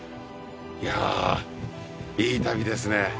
いやいい旅ですね。